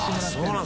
そう。